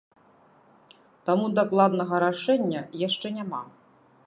Таму дакладнага рашэння яшчэ няма.